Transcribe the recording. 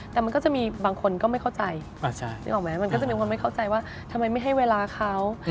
แต่มันก็จะมีบางคนก็ไม่เข้าใจนึกออกไหมมันก็จะมีคนไม่เข้าใจว่าทำไมไม่ให้เวลาเขา